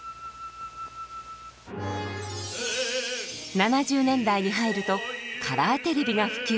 ７０年代に入るとカラーテレビが普及。